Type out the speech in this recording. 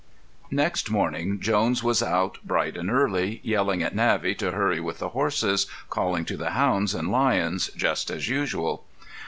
X Next morning Jones was out bright and early, yelling at Navvy to hurry with the horses, calling to the hounds and lions, just as usual.